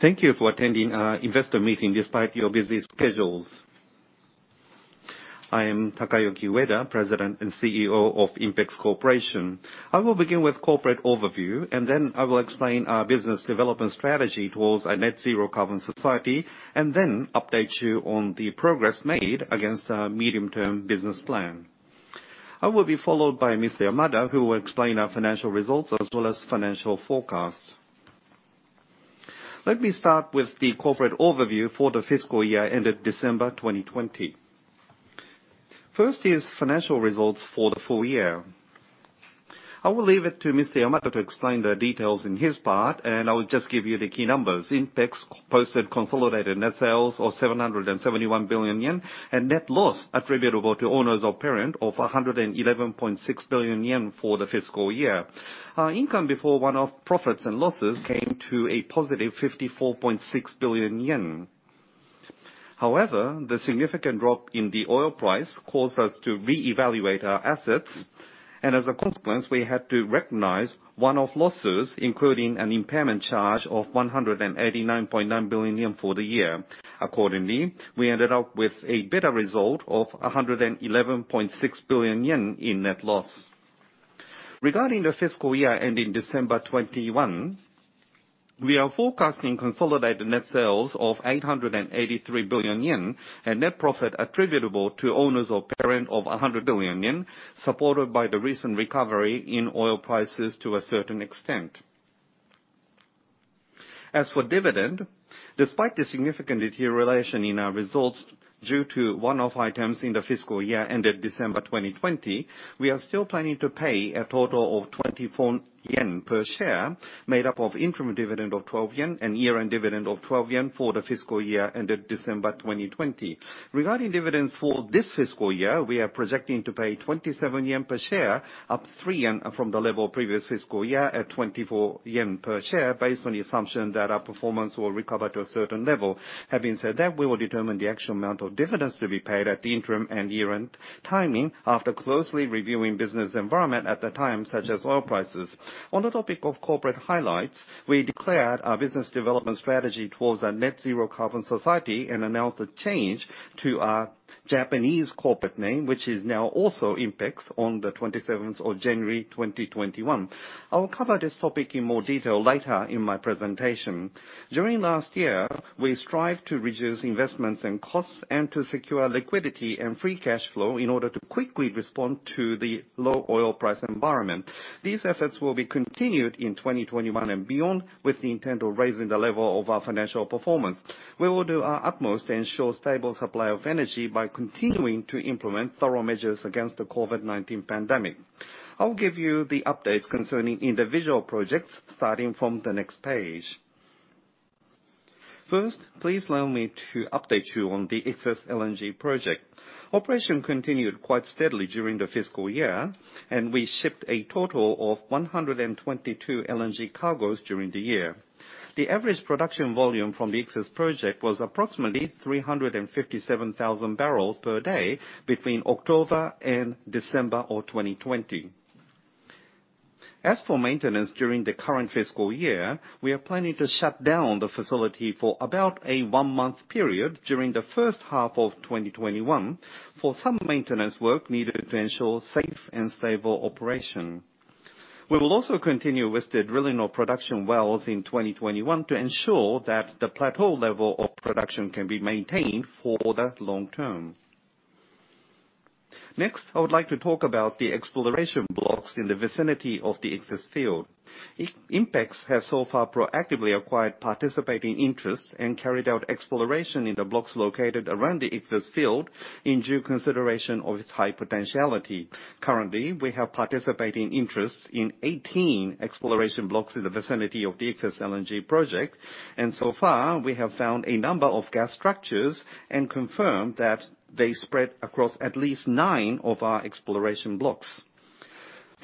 Thank you for attending our investor meeting despite your busy schedules. I am Takayuki Ueda, President and CEO of INPEX Corporation. I will begin with corporate overview, and then I will explain our business development strategy towards a net zero carbon society, and then update you on the progress made against our medium-term business plan. I will be followed by Mr. Yamada, who will explain our financial results as well as financial forecast. Let me start with the corporate overview for the fiscal year ended December 2020. First is financial results for the full year. I will leave it to Mr. Yamada to explain the details in his part, and I will just give you the key numbers. INPEX posted consolidated net sales of 771 billion yen, and net loss attributable to owners of parent of 111.6 billion yen for the fiscal year. Our income before one-off profits and losses came to a positive 54.6 billion yen. However, the significant drop in the oil price caused us to reevaluate our assets, and as a consequence, we had to recognize one-off losses, including an impairment charge of 189.9 billion yen for the year. Accordingly, we ended up with a better result of 111.6 billion yen in net loss. Regarding the fiscal year ending December 2021, we are forecasting consolidated net sales of 883 billion yen and net profit attributable to owners of parent of 100 billion yen, supported by the recent recovery in oil prices to a certain extent. As for dividend, despite the significant deterioration in our results due to one-off items in the fiscal year ended December 2020, we are still planning to pay a total of 24 yen per share, made up of interim dividend of 12 yen and year-end dividend of 12 yen for the fiscal year ended December 2020. Regarding dividends for this fiscal year, we are projecting to pay 27 yen per share, up 3 yen from the level of previous fiscal year at 24 yen per share, based on the assumption that our performance will recover to a certain level. We will determine the actual amount of dividends to be paid at the interim and year-end timing after closely reviewing business environment at the time, such as oil prices. On the topic of corporate highlights, we declared our business development strategy towards a net zero carbon society and announced a change to our Japanese corporate name, which is now also INPEX, on the 27th of January 2021. I will cover this topic in more detail later in my presentation. During last year, we strived to reduce investments and costs and to secure liquidity and free cash flow in order to quickly respond to the low oil price environment. These efforts will be continued in 2021 and beyond, with the intent of raising the level of our financial performance. We will do our utmost to ensure stable supply of energy by continuing to implement thorough measures against the COVID-19 pandemic. I will give you the updates concerning individual projects, starting from the next page. First, please allow me to update you on the Ichthys LNG project. Operation continued quite steadily during the fiscal year, and we shipped a total of 122 LNG cargoes during the year. The average production volume from the Ichthys project was approximately 357,000 barrels per day between October and December of 2020. As for maintenance during the current fiscal year, we are planning to shut down the facility for about a one-month period during the first half of 2021 for some maintenance work needed to ensure safe and stable operation. We will also continue with the drilling of production wells in 2021 to ensure that the plateau level of production can be maintained for the long term. I would like to talk about the exploration blocks in the vicinity of the Ichthys field. INPEX has so far proactively acquired participating interests and carried out exploration in the blocks located around the Ichthys field, in due consideration of its high potentiality. Currently, we have participating interests in 18 exploration blocks in the vicinity of the Ichthys LNG project, and so far, we have found a number of gas structures and confirmed that they spread across at least nine of our exploration blocks.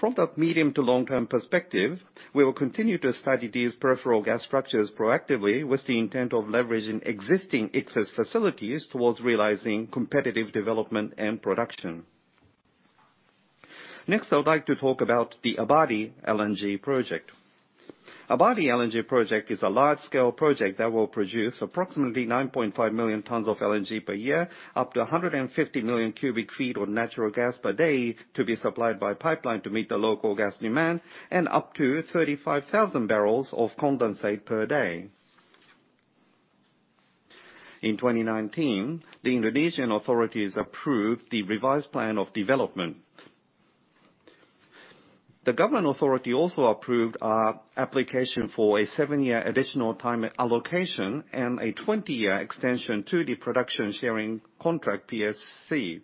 From the medium to long-term perspective, we will continue to study these peripheral gas structures proactively with the intent of leveraging existing Ichthys facilities towards realizing competitive development and production. Next, I would like to talk about the Abadi LNG project. Abadi LNG project is a large-scale project that will produce approximately 9.5 million tons of LNG per year, up to 150 million cubic feet of natural gas per day to be supplied by pipeline to meet the local gas demand, and up to 35,000 barrels of condensate per day. In 2019, the Indonesian authorities approved the revised plan of development. The government authority also approved our application for a seven-year additional time allocation and a 20-year extension to the production sharing contract, PSC.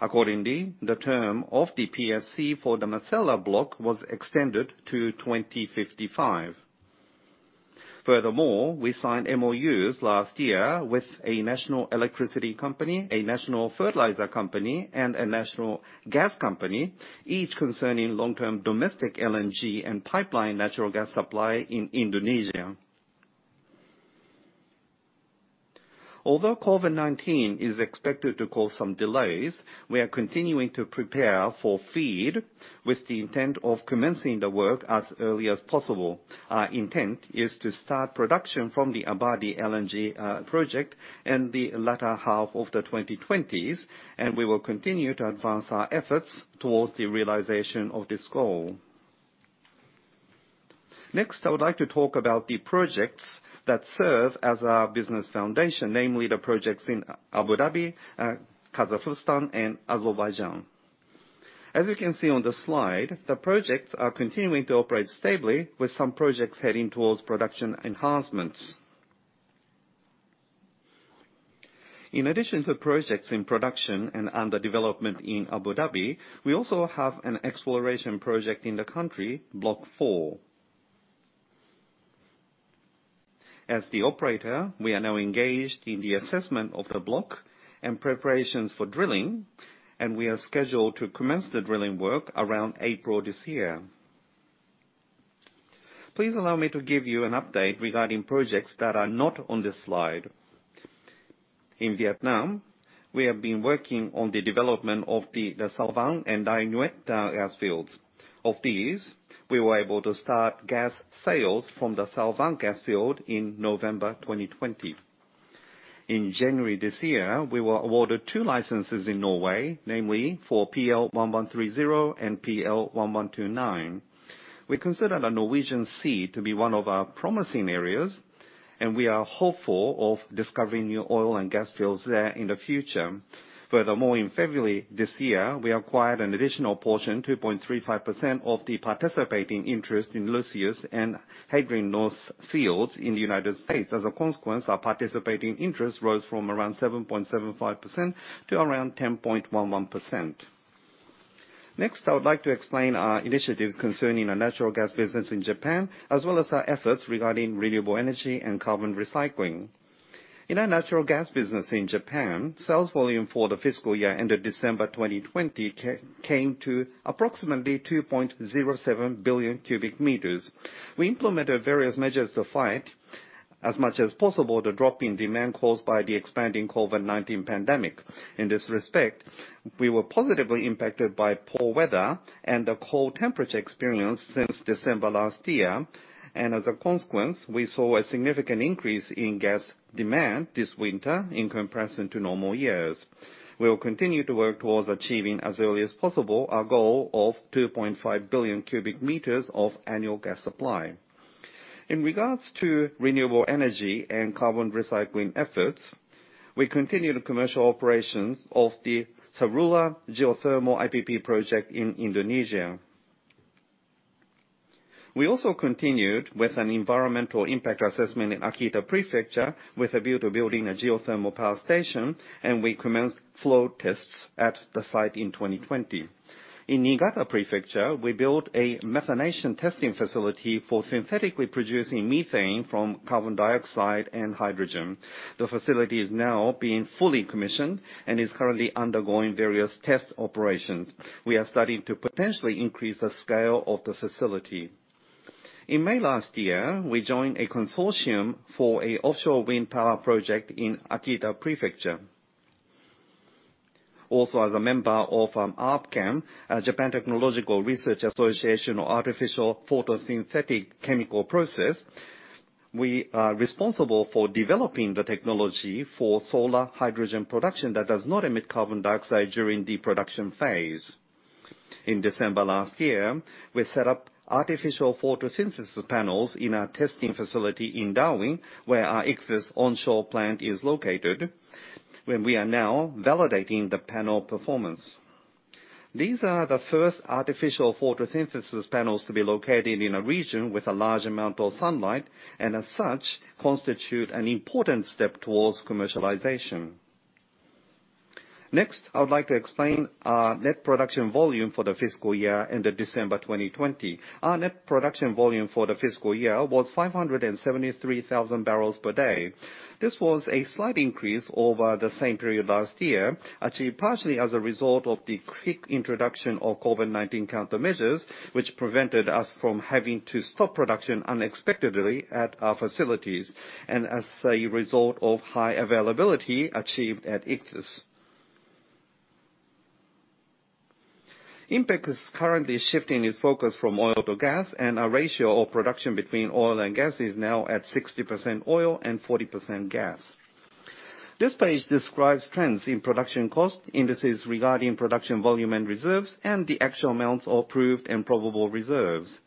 Accordingly, the term of the PSC for the Masela block was extended to 2055. Furthermore, we signed MOUs last year with a national electricity company, a national fertilizer company, and a national gas company, each concerning long-term domestic LNG and pipeline natural gas supply in Indonesia. Although COVID-19 is expected to cause some delays, we are continuing to prepare for FEED with the intent of commencing the work as early as possible. Our intent is to start production from the Abadi LNG project in the latter half of the 2020s, and we will continue to advance our efforts towards the realization of this goal. Next, I would like to talk about the projects that serve as our business foundation, namely the projects in Abu Dhabi, Kazakhstan, and Azerbaijan. As you can see on the slide, the projects are continuing to operate stably with some projects heading towards production enhancements. In addition to projects in production and under development in Abu Dhabi, we also have an exploration project in the country, Block IV. As the operator, we are now engaged in the assessment of the block and preparations for drilling, and we are scheduled to commence the drilling work around April this year. Please allow me to give you an update regarding projects that are not on this slide. In Vietnam, we have been working on the development of the Sao Vang and Dai Nguyet gas fields. Of these, we were able to start gas sales from the Sao Vang gas field in November 2020. In January this year, we were awarded two licenses in Norway, namely for PL 1130 and PL 1129. We consider the Norwegian Sea to be one of our promising areas, and we are hopeful of discovering new oil and gas fields there in the future. Furthermore, in February this year, we acquired an additional portion, 2.35% of the participating interest in Lucius and Hadrian North fields in the United States. As a consequence, our participating interest rose from around 7.75% to around 10.11%. Next, I would like to explain our initiatives concerning our natural gas business in Japan, as well as our efforts regarding renewable energy and carbon recycling. In our natural gas business in Japan, sales volume for the fiscal year ended December 2020, came to approximately 2.07 billion cubic meters. We implemented various measures to fight as much as possible the drop in demand caused by the expanding COVID-19 pandemic. In this respect, we were positively impacted by poor weather and the cold temperature experienced since December last year, and as a consequence, we saw a significant increase in gas demand this winter in comparison to normal years. We will continue to work towards achieving as early as possible our goal of 2.5 billion cubic meters of annual gas supply. In regards to renewable energy and carbon recycling efforts, we continued the commercial operations of the Sarulla Geothermal IPP project in Indonesia. We also continued with an environmental impact assessment in Akita Prefecture with a view to building a geothermal power station, and we commenced flow tests at the site in 2020. In Niigata Prefecture, we built a methanation testing facility for synthetically producing methane from carbon dioxide and hydrogen. The facility is now being fully commissioned and is currently undergoing various test operations. We are studying to potentially increase the scale of the facility. In May last year, we joined a consortium for an offshore wind power project in Akita Prefecture. Also, as a member of ARPChem, Japan Technological Research Association of Artificial Photosynthetic Chemical Process, we are responsible for developing the technology for solar hydrogen production that does not emit carbon dioxide during the production phase. In December last year, we set up artificial photosynthesis panels in our testing facility in Darwin, where our Ichthys onshore plant is located, and we are now validating the panel performance. These are the first artificial photosynthesis panels to be located in a region with a large amount of sunlight, and as such, constitute an important step towards commercialization. Next, I would like to explain our net production volume for the fiscal year ended December 2020. Our net production volume for the fiscal year was 573,000 barrels per day. This was a slight increase over the same period last year, achieved partially as a result of the quick introduction of COVID-19 countermeasures, which prevented us from having to stop production unexpectedly at our facilities, and as a result of high availability achieved at Ichthys. INPEX is currently shifting its focus from oil to gas, and our ratio of production between oil and gas is now at 60% oil and 40% gas. This page describes trends in production cost, indices regarding production volume and reserves, and the actual amounts of proved and probable reserves.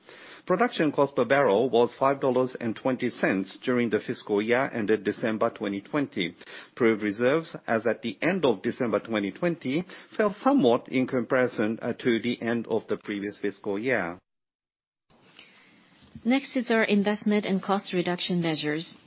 Production cost per barrel was $5.20 during the fiscal year ended December 2020. Proved reserves as at the end of December 2020 fell somewhat in comparison to the end of the previous fiscal year. Our investment and cost reduction measures.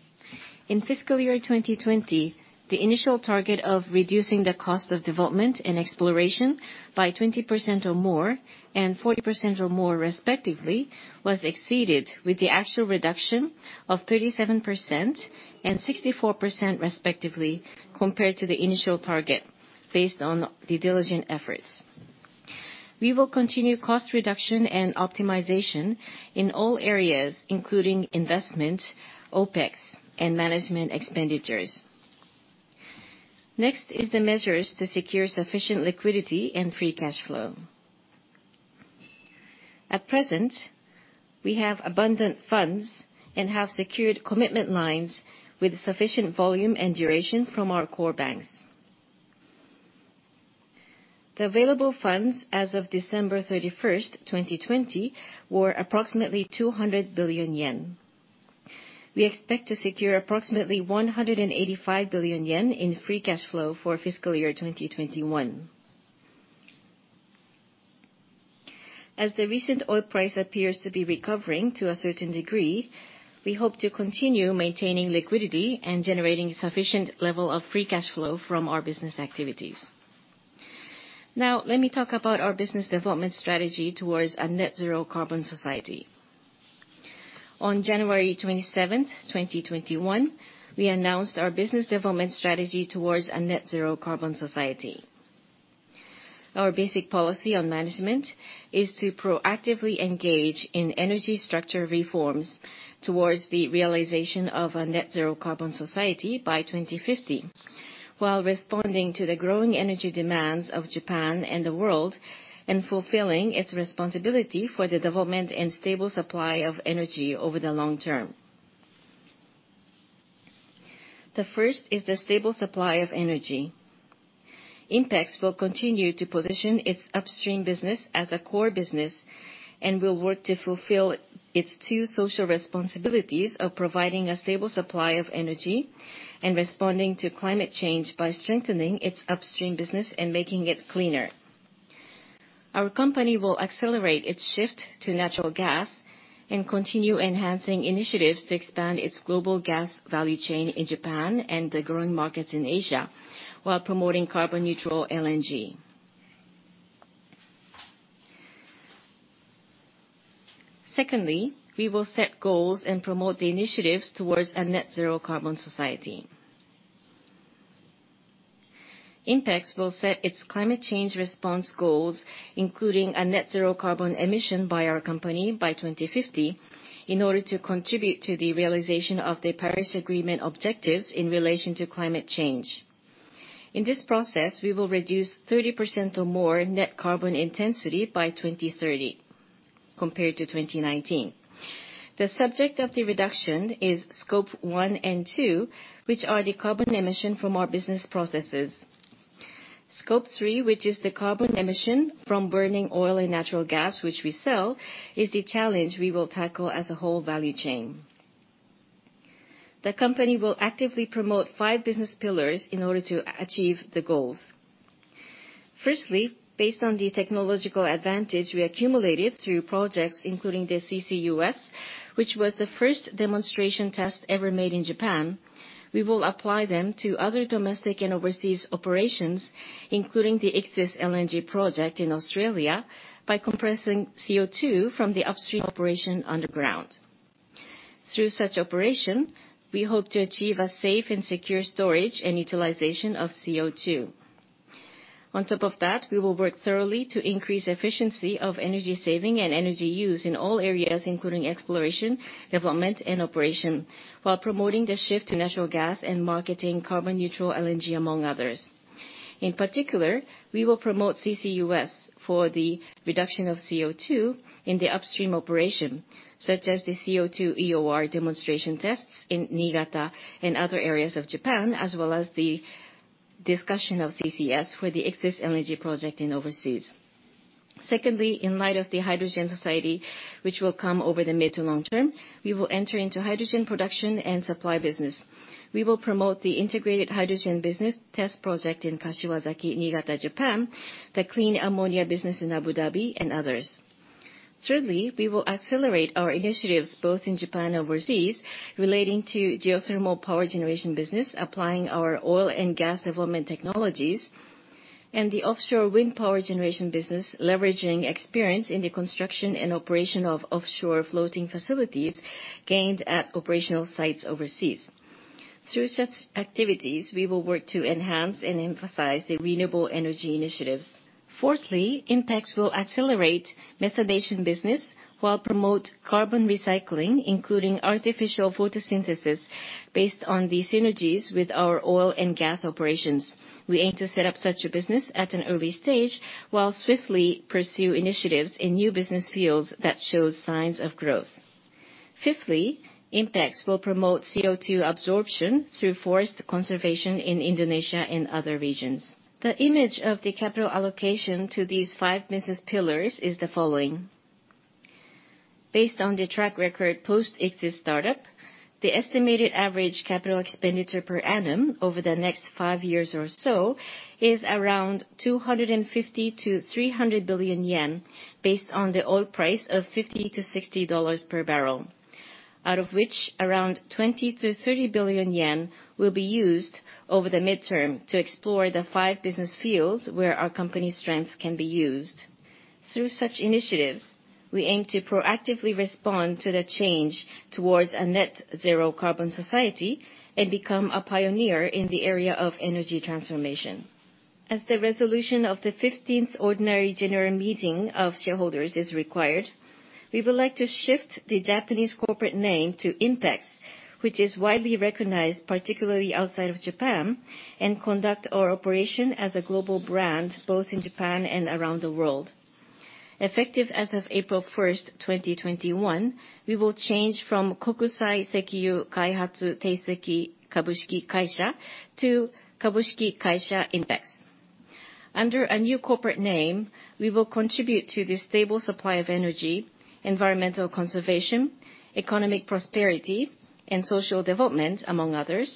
In fiscal year 2020, the initial target of reducing the cost of development and exploration by 20% or more and 40% or more respectively, was exceeded with the actual reduction of 37% and 64% respectively compared to the initial target based on the diligent efforts. We will continue cost reduction and optimization in all areas, including investment, OpEx, and management expenditures. The measures to secure sufficient liquidity and free cash flow. At present, we have abundant funds and have secured commitment lines with sufficient volume and duration from our core banks. The available funds as of December 31st, 2020, were approximately 200 billion yen. We expect to secure approximately 185 billion yen in free cash flow for fiscal year 2021. As the recent oil price appears to be recovering to a certain degree, we hope to continue maintaining liquidity and generating sufficient level of free cash flow from our business activities. Let me talk about our business development strategy towards a net zero carbon society. On January 27th, 2021, we announced our business development strategy towards a net zero carbon society. Our basic policy on management is to proactively engage in energy structure reforms towards the realization of a net zero carbon society by 2050, while responding to the growing energy demands of Japan and the world, and fulfilling its responsibility for the development and stable supply of energy over the long term. The first is the stable supply of energy. INPEX will continue to position its upstream business as a core business, and will work to fulfill its two social responsibilities of providing a stable supply of energy, and responding to climate change by strengthening its upstream business and making it cleaner. Our company will accelerate its shift to natural gas and continue enhancing initiatives to expand its global gas value chain in Japan and the growing markets in Asia, while promoting carbon neutral LNG. Secondly, we will set goals and promote the initiatives towards a net zero carbon society. INPEX will set its climate change response goals, including a net zero carbon emission by our company by 2050, in order to contribute to the realization of the Paris Agreement objectives in relation to climate change. In this process, we will reduce 30% or more net carbon intensity by 2030 compared to 2019. The subject of the reduction is Scope 1 and 2, which are the carbon emission from our business processes. Scope 3, which is the carbon emission from burning oil and natural gas, which we sell, is the challenge we will tackle as a whole value chain. The company will actively promote five business pillars in order to achieve the goals. Firstly, based on the technological advantage we accumulated through projects, including the CCUS, which was the first demonstration test ever made in Japan, we will apply them to other domestic and overseas operations, including the Ichthys LNG project in Australia, by compressing CO2 from the upstream operation underground. Through such operation, we hope to achieve a safe and secure storage and utilization of CO2. On top of that, we will work thoroughly to increase efficiency of energy saving and energy use in all areas, including exploration, development and operation, while promoting the shift to natural gas and marketing carbon neutral LNG, among others. In particular, we will promote CCUS for the reduction of CO2 in the upstream operation, such as the CO2-EOR demonstration tests in Niigata and other areas of Japan, as well as the discussion of CCS for the Ichthys LNG project in overseas. Secondly, in light of the hydrogen society, which will come over the mid to long term, we will enter into hydrogen production and supply business. We will promote the integrated hydrogen business test project in Kashiwazaki, Niigata, Japan, the clean ammonia business in Abu Dhabi, and others. Thirdly, we will accelerate our initiatives both in Japan and overseas, relating to geothermal power generation business, applying our oil and gas development technologies, and the offshore wind power generation business, leveraging experience in the construction and operation of offshore floating facilities gained at operational sites overseas. Through such activities, we will work to enhance and emphasize the renewable energy initiatives. Fourthly, INPEX will accelerate methanation business, while promote carbon recycling, including artificial photosynthesis, based on the synergies with our oil and gas operations. We aim to set up such a business at an early stage, while swiftly pursue initiatives in new business fields that show signs of growth. Fifthly, INPEX will promote CO2 absorption through forest conservation in Indonesia and other regions. The image of the capital allocation to these five business pillars is the following. Based on the track record post Ichthys startup, the estimated average capital expenditure per annum over the next five years or so is around 250 billion-300 billion yen, based on the oil price of $50-$60 per barrel. Around 20 billion-30 billion yen will be used over the midterm to explore the five business fields where our company's strength can be used. Through such initiatives, we aim to proactively respond to the change towards a net zero carbon society and become a pioneer in the area of energy transformation. As the resolution of the 15th ordinary general meeting of shareholders is required, we would like to shift the Japanese corporate name to INPEX, which is widely recognized, particularly outside of Japan, and conduct our operation as a global brand, both in Japan and around the world. Effective as of April 1st, 2021, we will change from Kokusai Sekiyu Kaihatsu Teiseki Kabushiki Kaisha to Kabushiki Kaisha INPEX. Under a new corporate name, we will contribute to the stable supply of energy, environmental conservation, economic prosperity, and social development, among others,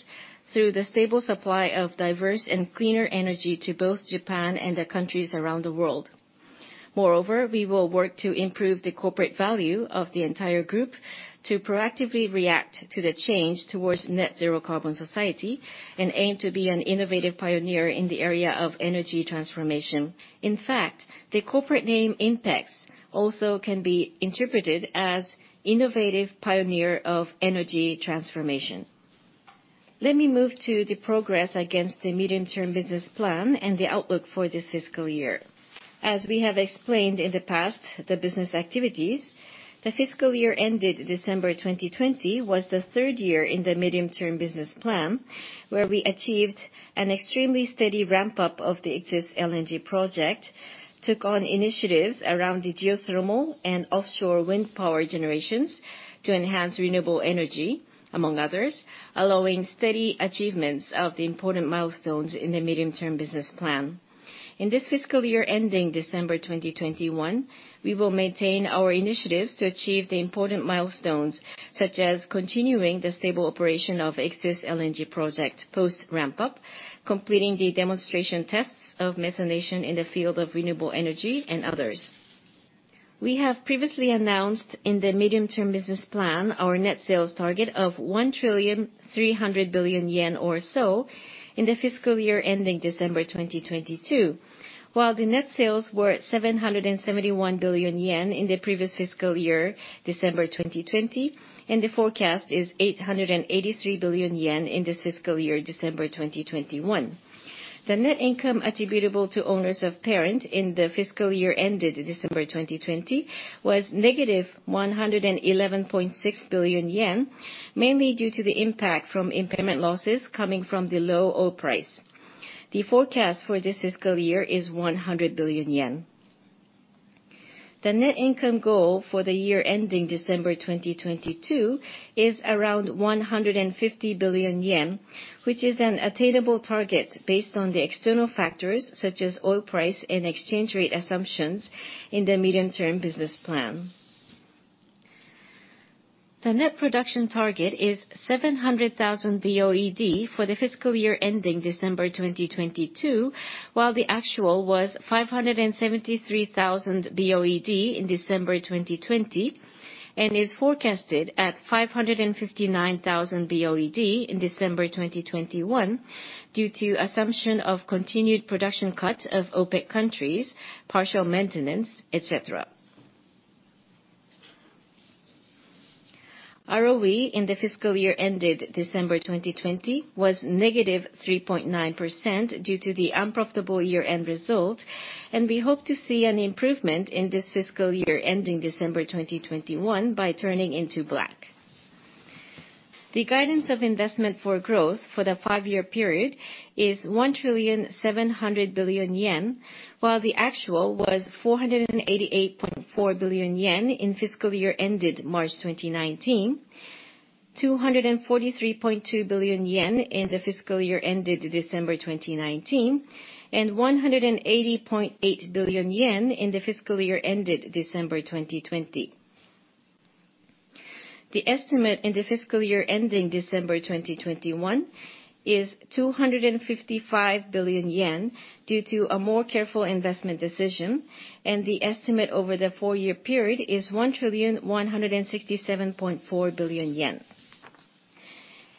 through the stable supply of diverse and cleaner energy to both Japan and the countries around the world. We will work to improve the corporate value of the entire group to proactively react to the change towards net zero carbon society, and aim to be an innovative pioneer in the area of energy transformation. In fact, the corporate name INPEX also can be interpreted as innovative pioneer of energy transformation. Let me move to the progress against the medium-term business plan and the outlook for this fiscal year. As we have explained in the past, the business activities, the fiscal year ended December 2020, was the third year in the medium-term business plan, where we achieved an extremely steady ramp-up of the Ichthys LNG project, took on initiatives around the geothermal and offshore wind power generations to enhance renewable energy, among others, allowing steady achievements of the important milestones in the medium-term business plan. In this fiscal year ending December 2021, we will maintain our initiatives to achieve the important milestones, such as continuing the stable operation of Ichthys LNG project post ramp-up, completing the demonstration tests of methanation in the field of renewable energy, and others. We have previously announced in the medium-term business plan our net sales target of 1,300 billion yen or so in the fiscal year ending December 2022. While the net sales were at 771 billion yen in the previous fiscal year, December 2020, and the forecast is 883 billion yen in this fiscal year, December 2021. The net income attributable to owners of parent in the fiscal year ended December 2020 was negative 111.6 billion yen, mainly due to the impact from impairment losses coming from the low oil price. The forecast for this fiscal year is 100 billion yen. The net income goal for the year ending December 2022 is around 150 billion yen, which is an attainable target based on the external factors such as oil price and exchange rate assumptions in the medium-term business plan. The net production target is 700,000 BOED for the fiscal year ending December 2022, while the actual was 573,000 BOED in December 2020, and is forecasted at 559,000 BOED in December 2021 due to assumption of continued production cuts of OPEC countries, partial maintenance, et cetera. ROE in the fiscal year ended December 2020 was -3.9% due to the unprofitable year-end result, and we hope to see an improvement in this fiscal year ending December 2021 by turning into black. The guidance of investment for growth for the five-year period is 1,700 billion yen, while the actual was 488.4 billion yen in fiscal year ended March 2019, 243.2 billion yen in the fiscal year ended December 2019, and 180.8 billion yen in the fiscal year ended December 2020. The estimate in the fiscal year ending December 2021 is 255 billion yen due to a more careful investment decision, and the estimate over the four-year period is 1,167.4 billion yen.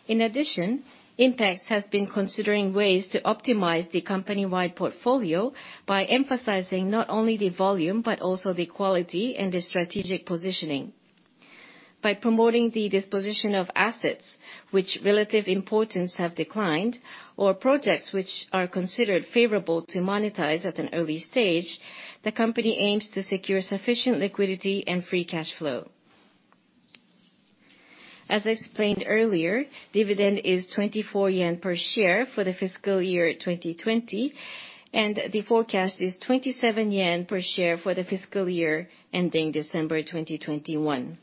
In addition, INPEX has been considering ways to optimize the company-wide portfolio by emphasizing not only the volume, but also the quality and the strategic positioning. By promoting the disposition of assets which relative importance have declined, or projects which are considered favorable to monetize at an early stage, the company aims to secure sufficient liquidity and free cash flow. As I explained earlier, dividend is 24 yen per share for the fiscal year 2020, and the forecast is 27 yen per share for the fiscal year ending December 2021.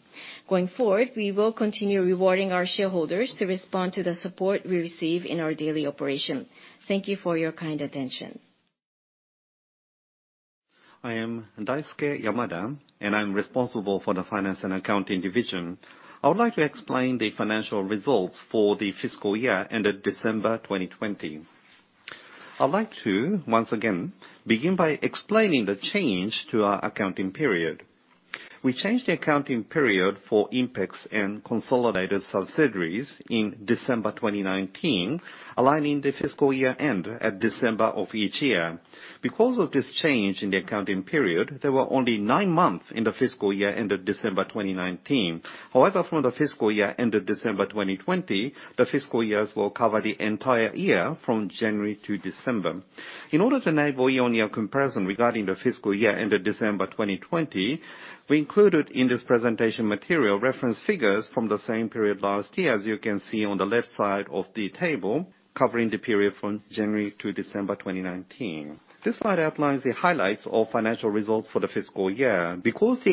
Going forward, we will continue rewarding our shareholders to respond to the support we receive in our daily operation. Thank you for your kind attention. I am Daisuke Yamada, and I'm responsible for the finance and accounting division. I would like to explain the financial results for the fiscal year ended December 2020. I'd like to once again begin by explaining the change to our accounting period. We changed the accounting period for INPEX and consolidated subsidiaries in December 2019, aligning the fiscal year-end at December of each year. Because of this change in the accounting period, there were only nine months in the fiscal year end of December 2019. However, from the fiscal year end of December 2020, the fiscal years will cover the entire year from January to December. In order to enable year-on-year comparison regarding the fiscal year-end of December 2020, we included in this presentation material reference figures from the same period last year, as you can see on the left side of the table, covering the period from January to December 2019. Because the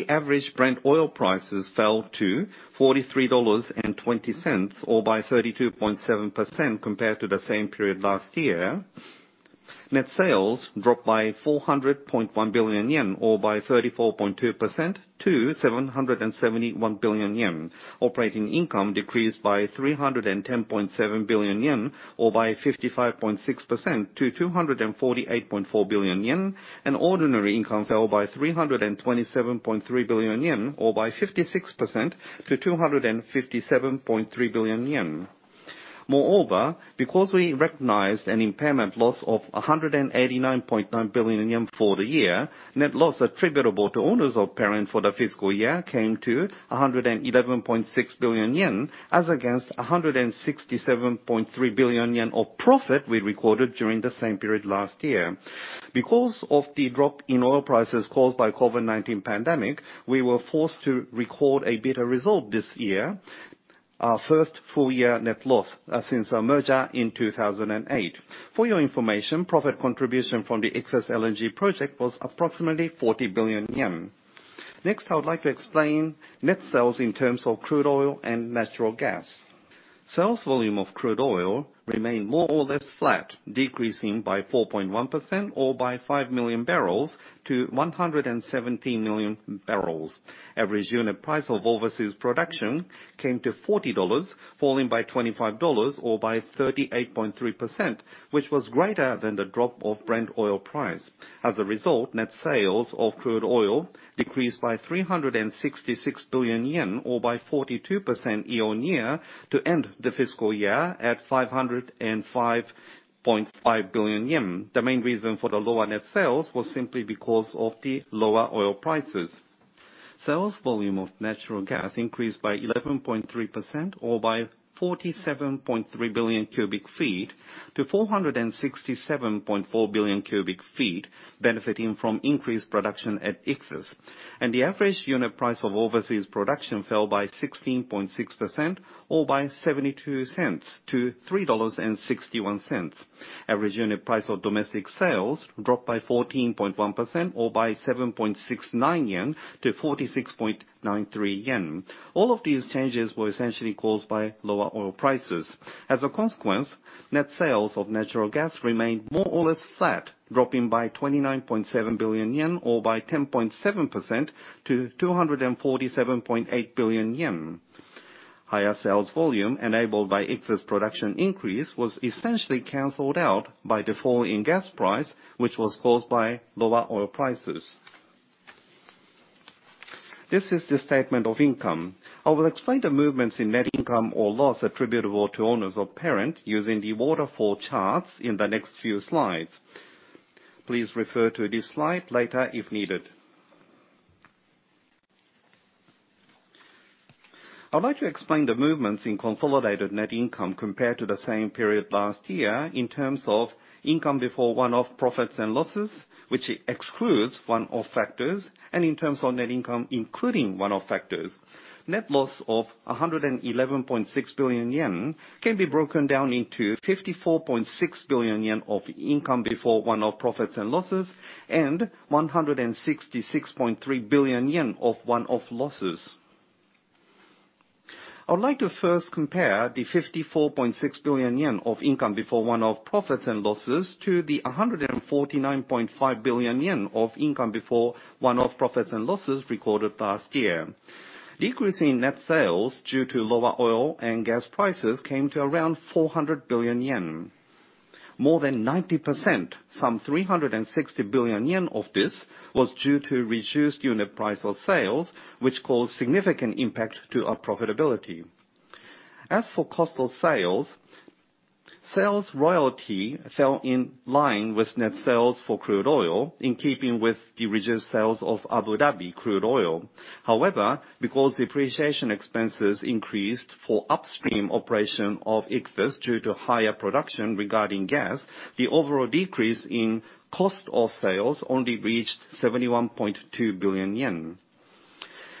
average Brent oil prices fell to $43.20 or by 32.7% compared to the same period last year, net sales dropped by 400.1 billion yen or by 34.2% to 771 billion yen. Operating income decreased by 310.7 billion yen or by 55.6% to 248.4 billion yen. Ordinary income fell by 327.3 billion yen or by 56% to 257.3 billion yen. Because we recognized an impairment loss of 189.9 billion yen for the year, net loss attributable to owners of parent for the fiscal year came to 111.6 billion yen as against 167.3 billion yen of profit we recorded during the same period last year. Because of the drop in oil prices caused by COVID-19 pandemic, we were forced to record a better result this year, our first full year net loss since our merger in 2008. For your information, profit contribution from the Ichthys LNG project was approximately 40 billion yen. Next, I would like to explain net sales in terms of crude oil and natural gas. Sales volume of crude oil remained more or less flat, decreasing by 4.1% or by 5 million barrels to 117 million barrels. Average unit price of overseas production came to $40, falling by $25 or by 38.3%, which was greater than the drop of Brent oil price. As a result, net sales of crude oil decreased by 366 billion yen or by 42% year-on-year to end the fiscal year at 505.5 billion yen. The main reason for the lower net sales was simply because of the lower oil prices. Sales volume of natural gas increased by 11.3% or by 47.3 billion cubic feet to 467.4 billion cubic feet, benefiting from increased production at Ichthys. The average unit price of overseas production fell by 16.6% or by $0.72 to $3.61. Average unit price of domestic sales dropped by 14.1% or by 7.69 yen to 46.93 yen. All of these changes were essentially caused by lower oil prices. As a consequence, net sales of natural gas remained more or less flat, dropping by 29.7 billion yen or by 10.7% to 247.8 billion yen. Higher sales volume enabled by Ichthys production increase was essentially canceled out by the fall in gas price, which was caused by lower oil prices. This is the statement of income. I will explain the movements in net income or loss attributable to owners of parent using the waterfall charts in the next few slides. Please refer to this slide later if needed. I'd like to explain the movements in consolidated net income compared to the same period last year in terms of income before one-off profits and losses, which excludes one-off factors, and in terms of net income, including one-off factors. Net loss of 111.6 billion yen can be broken down into 54.6 billion yen of income before one-off profits and losses, and 166.3 billion yen of one-off losses. I would like to first compare the 54.6 billion yen of income before one-off profits and losses to the 149.5 billion yen of income before one-off profits and losses recorded last year. Decrease in net sales due to lower oil and gas prices came to around 400 billion yen. More than 90%, some 360 billion yen of this, was due to reduced unit price of sales, which caused significant impact to our profitability. As for cost of sales royalty fell in line with net sales for crude oil, in keeping with the reduced sales of Abu Dhabi crude oil. Because depreciation expenses increased for upstream operation of Ichthys due to higher production regarding gas, the overall decrease in cost of sales only reached 71.2 billion yen.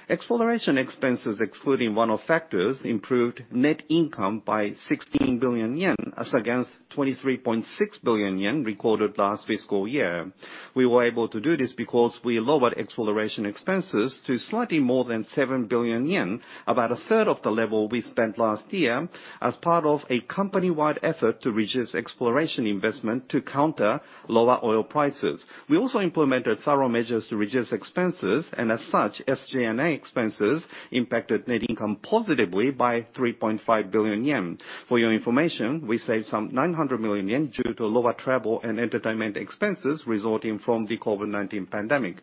Exploration expenses excluding one-off factors improved net income by 16 billion yen as against 23.6 billion yen recorded last fiscal year. We were able to do this because we lowered exploration expenses to slightly more than 7 billion yen, about a third of the level we spent last year as part of a company-wide effort to reduce exploration investment to counter lower oil prices. As such, SG&A expenses impacted net income positively by 3.5 billion yen. For your information, we saved some 900 million yen due to lower travel and entertainment expenses resulting from the COVID-19 pandemic.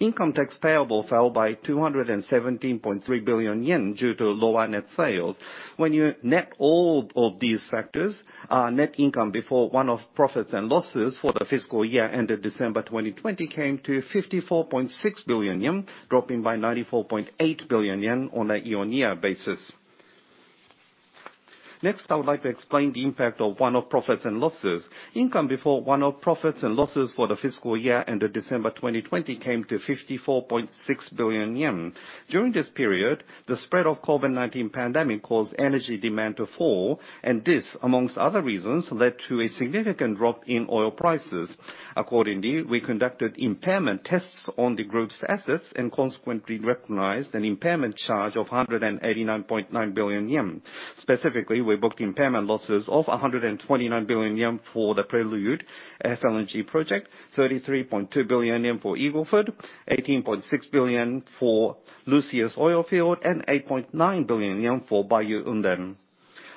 Income tax payable fell by 217.3 billion yen due to lower net sales. When you net all of these factors, our net income before one-off profits and losses for the fiscal year end of December 2020 came to 54.6 billion yen, dropping by 94.8 billion yen on a year-on-year basis. Next, I would like to explain the impact of one-off profits and losses. Income before one-off profits and losses for the fiscal year end of December 2020 came to 54.6 billion yen. During this period, the spread of COVID-19 pandemic caused energy demand to fall, and this, among other reasons, led to a significant drop in oil prices. Accordingly, we conducted impairment tests on the group's assets and consequently recognized an impairment charge of 189.9 billion yen. Specifically, we booked impairment losses of 129 billion yen for the Prelude FLNG project, 33.2 billion yen for Eagle Ford, 18.6 billion for Lucius oil field, and 8.9 billion yen for Bayu-Undan.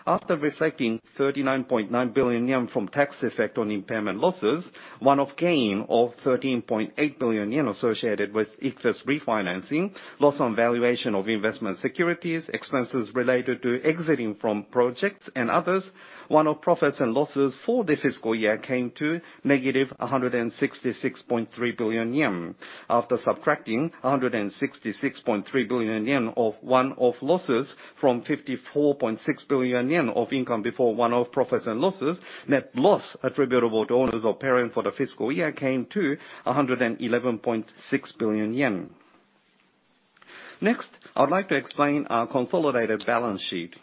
After reflecting 39.9 billion yen from tax effect on impairment losses, one-off gain of 13.8 billion yen associated with Ichthys refinancing, loss on valuation of investment securities, expenses related to exiting from projects and others. One-off profits and losses for the fiscal year came to negative 166.3 billion yen. After subtracting 166.3 billion yen of one-off losses from 54.6 billion yen of income before one-off profits and losses. Net loss attributable to owners of parent for the fiscal year came to 111.6 billion yen. I would like to explain our consolidated balance sheet.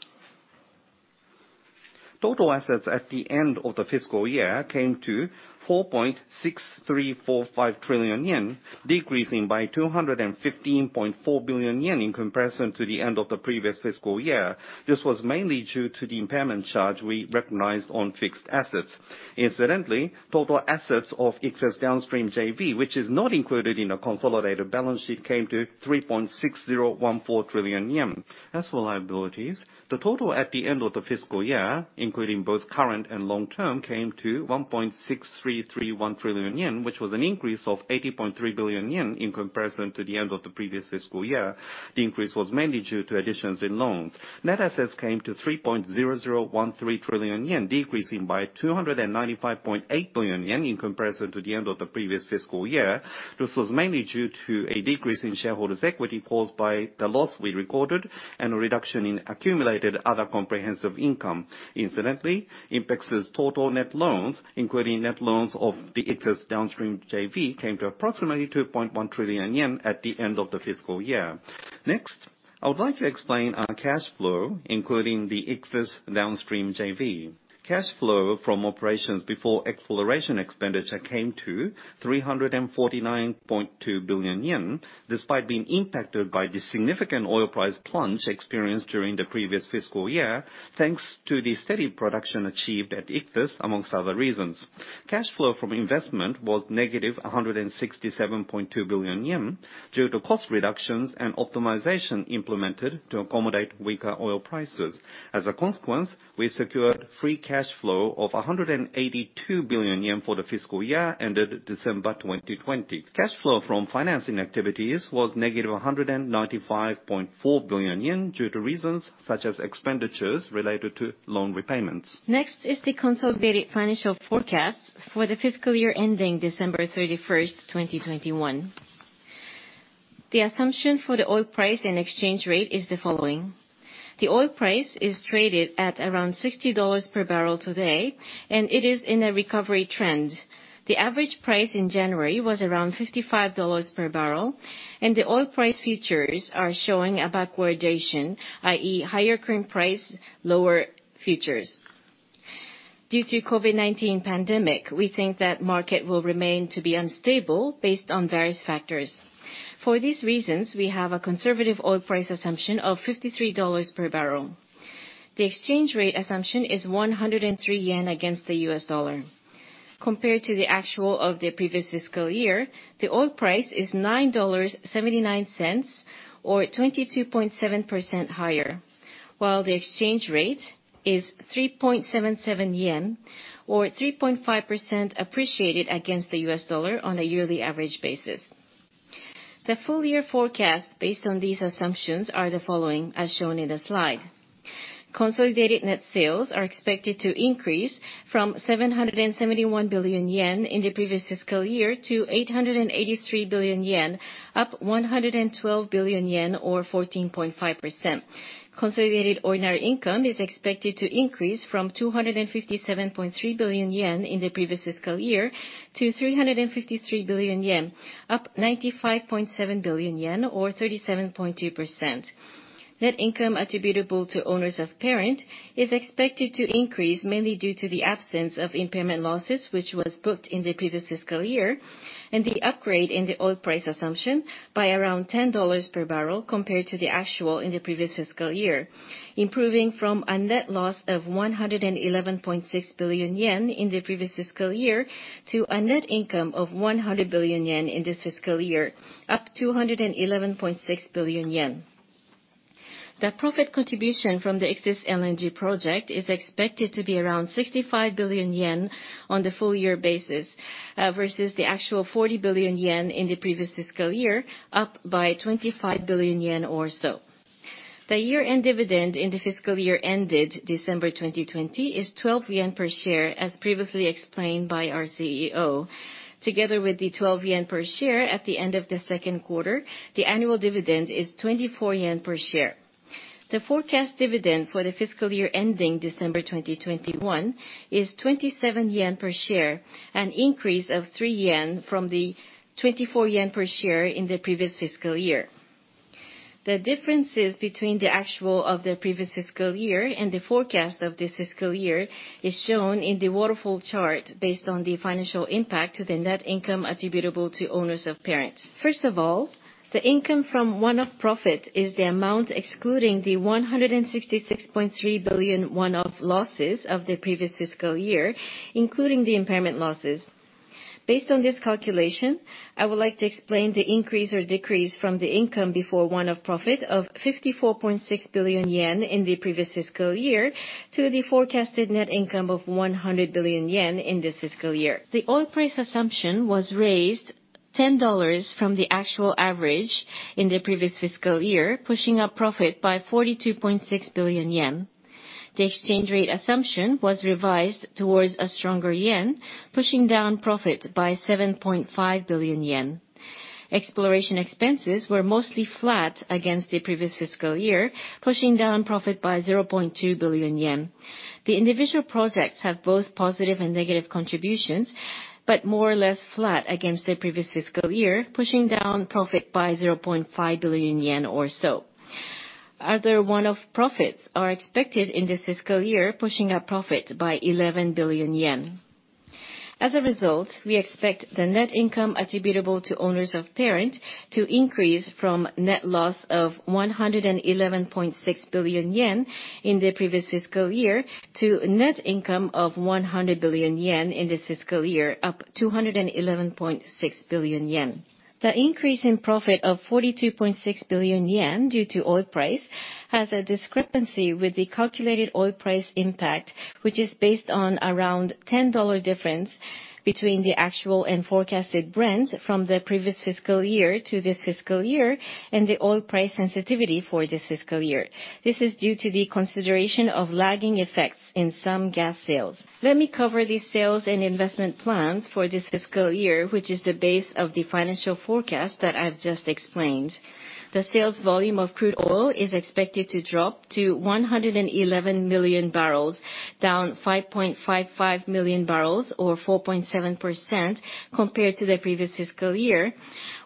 Total assets at the end of the fiscal year came to 4.6345 trillion yen, decreasing by 215.4 billion yen in comparison to the end of the previous fiscal year. This was mainly due to the impairment charge we recognized on fixed assets. Incidentally, total assets of Ichthys downstream JV, which is not included in the consolidated balance sheet, came to 3.6014 trillion yen. As for liabilities, the total at the end of the fiscal year, including both current and long-term, came to 1.6331 trillion yen, which was an increase of 80.3 billion yen in comparison to the end of the previous fiscal year. The increase was mainly due to additions in loans. Net assets came to 3.0013 trillion yen, decreasing by 295.8 billion yen in comparison to the end of the previous fiscal year. This was mainly due to a decrease in shareholders' equity caused by the loss we recorded and a reduction in accumulated other comprehensive income. Incidentally, INPEX's total net loans, including net loans of the Ichthys downstream JV, came to approximately 2.1 trillion yen at the end of the fiscal year. Next, I would like to explain our cash flow, including the Ichthys downstream JV. Cash flow from operations before exploration expenditure came to 349.2 billion yen. Despite being impacted by the significant oil price plunge experienced during the previous fiscal year, thanks to the steady production achieved at Ichthys, among other reasons. Cash flow from investment was negative 167.2 billion yen due to cost reductions and optimization implemented to accommodate weaker oil prices. As a consequence, we secured free cash flow of 182 billion yen for the fiscal year ended December 2020. Cash flow from financing activities was negative 195.4 billion yen due to reasons such as expenditures related to loan repayments. Next is the consolidated financial forecast for the fiscal year ending December 31st, 2021. The assumption for the oil price and exchange rate is the following. The oil price is traded at around $60 per barrel today, and it is in a recovery trend. The average price in January was around $55 per barrel, and the oil price futures are showing a backwardation, i.e., higher current price, lower futures. Due to COVID-19 pandemic, we think that market will remain to be unstable based on various factors. For these reasons, we have a conservative oil price assumption of $53 per barrel. The exchange rate assumption is 103 yen against the U.S. dollar. Compared to the actual of the previous fiscal year, the oil price is $9.79, or 22.7% higher, while the exchange rate is 3.77 yen, or 3.5% appreciated against the U.S. dollar on a yearly average basis. The full year forecast based on these assumptions are the following, as shown in the slide. Consolidated net sales are expected to increase from 771 billion yen in the previous fiscal year to 883 billion yen, up 112 billion yen or 14.5%. Consolidated ordinary income is expected to increase from 257.3 billion yen in the previous fiscal year to 353 billion yen, up 95.7 billion yen or 37.2%. Net income attributable to owners of parent is expected to increase mainly due to the absence of impairment losses, which was booked in the previous fiscal year, and the upgrade in the oil price assumption by around $10 per barrel compared to the actual in the previous fiscal year. Improving from a net loss of 111.6 billion yen in the previous fiscal year to a net income of 100 billion yen in this fiscal year, up 211.6 billion yen. The profit contribution from the Ichthys LNG project is expected to be around 65 billion yen on the full year basis, versus the actual 40 billion yen in the previous fiscal year, up by 25 billion yen or so. The year-end dividend in the fiscal year ended December 2020 is 12 yen per share, as previously explained by our CEO. Together with the 12 yen per share at the end of the second quarter, the annual dividend is 24 yen per share. The forecast dividend for the fiscal year ending December 2021 is 27 yen per share, an increase of 3 yen from the 24 yen per share in the previous fiscal year. The differences between the actual of the previous fiscal year and the forecast of this fiscal year is shown in the waterfall chart based on the financial impact to the net income attributable to owners of parent. First of all, the income from one-off profit is the amount excluding the 166.3 billion one-off losses of the previous fiscal year, including the impairment losses. Based on this calculation, I would like to explain the increase or decrease from the income before one-off profit of 54.6 billion yen in the previous fiscal year to the forecasted net income of 100 billion yen in this fiscal year. The oil price assumption was raised $10 from the actual average in the previous fiscal year, pushing up profit by 42.6 billion yen. The exchange rate assumption was revised towards a stronger yen, pushing down profit by 7.5 billion yen. Exploration expenses were mostly flat against the previous fiscal year, pushing down profit by 0.2 billion yen. The individual projects have both positive and negative contributions, but more or less flat against the previous fiscal year, pushing down profit by 0.5 billion yen or so. Other one-off profits are expected in this fiscal year, pushing up profit by 11 billion yen. We expect the net income attributable to owners of parent to increase from net loss of 111.6 billion yen in the previous fiscal year to net income of 100 billion yen in this fiscal year, up 211.6 billion yen. The increase in profit of 42.6 billion yen due to oil price has a discrepancy with the calculated oil price impact, which is based on around $10 difference between the actual and forecasted Brent from the previous fiscal year to this fiscal year, and the oil price sensitivity for this fiscal year. This is due to the consideration of lagging effects in some gas sales. Let me cover the sales and investment plans for this fiscal year, which is the base of the financial forecast that I've just explained. The sales volume of crude oil is expected to drop to 111 million barrels, down 5.55 million barrels or 4.7% compared to the previous fiscal year.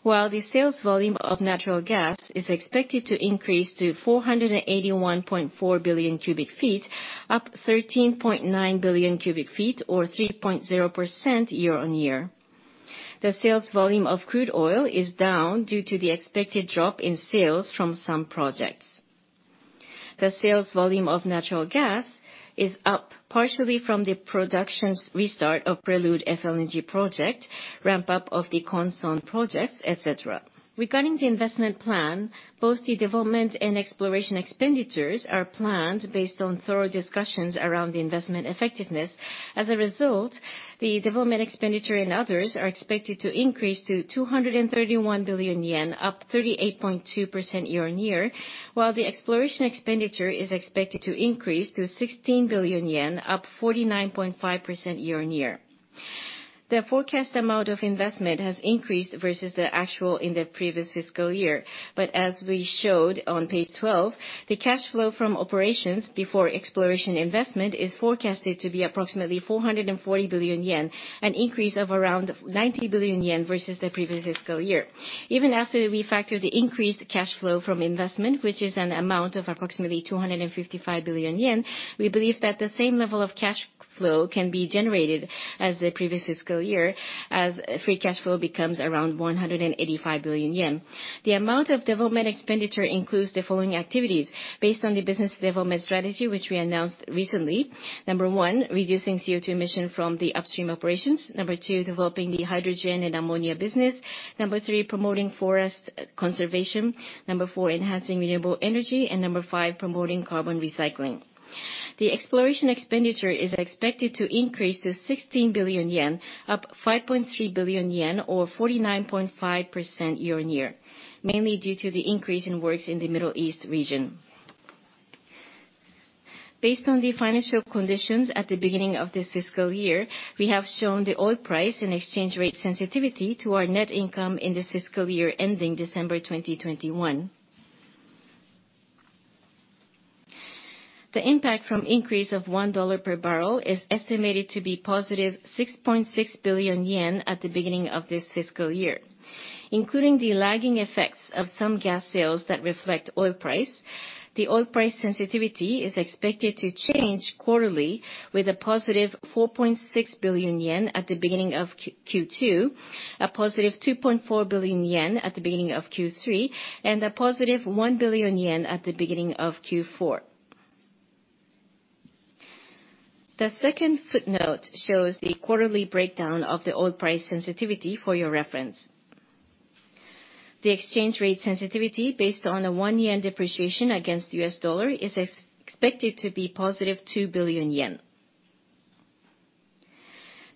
The sales volume of natural gas is expected to increase to 481.4 billion cubic feet, up 13.9 billion cubic feet or 3.0% year on year. The sales volume of crude oil is down due to the expected drop in sales from some projects. The sales volume of natural gas is up partially from the production's restart of Prelude FLNG project, ramp up of the Con Son projects, et cetera. Regarding the investment plan, both the development and exploration expenditures are planned based on thorough discussions around the investment effectiveness. The development expenditure and others are expected to increase to 231 billion yen, up 38.2% year-on-year, while the exploration expenditure is expected to increase to 16 billion yen, up 49.5% year-on-year. The forecast amount of investment has increased versus the actual in the previous fiscal year. As we showed on page 12, the cash flow from operations before exploration investment is forecasted to be approximately 440 billion yen, an increase of around 90 billion yen versus the previous fiscal year. Even after we factor the increased cash flow from investment, which is an amount of approximately 255 billion yen, we believe that the same level of cash flow can be generated as the previous fiscal year, as free cash flow becomes around 185 billion yen. The amount of development expenditure includes the following activities based on the business development strategy, which we announced recently. Number one, reducing CO2 emission from the upstream operations. Number two, developing the hydrogen and ammonia business. Number three, promoting forest conservation. Number four, enhancing renewable energy. Number five, promoting carbon recycling. The exploration expenditure is expected to increase to 16 billion yen, up 5.3 billion yen or 49.5% year-on-year, mainly due to the increase in works in the Middle East region. Based on the financial conditions at the beginning of this fiscal year, we have shown the oil price and exchange rate sensitivity to our net income in this fiscal year ending December 2021. The impact from increase of $1 per barrel is estimated to be positive 6.6 billion yen at the beginning of this fiscal year. Including the lagging effects of some gas sales that reflect oil price, the oil price sensitivity is expected to change quarterly with a positive 4.6 billion yen at the beginning of Q2, a positive 2.4 billion yen at the beginning of Q3, and a positive 1 billion yen at the beginning of Q4. The second footnote shows the quarterly breakdown of the oil price sensitivity for your reference. The exchange rate sensitivity based on a 1 yen depreciation against U.S. dollar is expected to be positive 2 billion yen.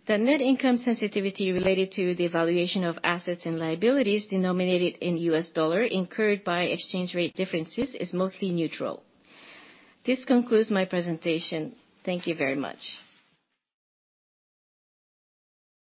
The net income sensitivity related to the valuation of assets and liabilities denominated in U.S. dollar incurred by exchange rate differences is mostly neutral. This concludes my presentation. Thank you very much.